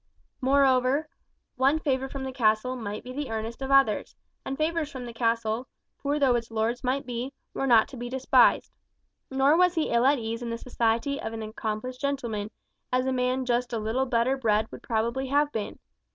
Moreover, one favour from the castle might be the earnest of others; and favours from the castle, poor though its lords might be, were not to be despised. Nor was he ill at ease in the society of an accomplished gentleman, as a man just a little better bred would probably have been.